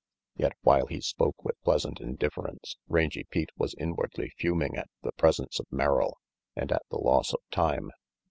Yet while he spoke with pleasant indifference, Rangy Pete was inwardly fuming at the presence of Merrill and at the loss of time.